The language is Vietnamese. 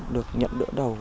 được nhận đỡ đầu